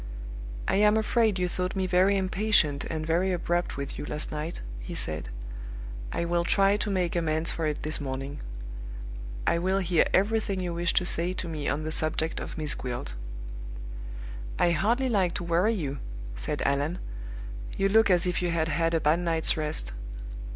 "I am afraid you thought me very impatient and very abrupt with you last night," he said. "I will try to make amends for it this morning. I will hear everything you wish to say to me on the subject of Miss Gwilt." "I hardly like to worry you," said Allan. "You look as if you had had a bad night's rest."